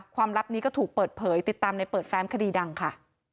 ลับนี้ก็ถูกเปิดเผยติดตามในเปิดแฟ้มคดีดังค่ะ